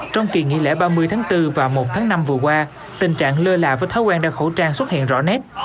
trong kỳ nghỉ lễ ba mươi tháng bốn và một tháng năm vừa qua tình trạng lơ là với thói quen đeo khẩu trang xuất hiện rõ nét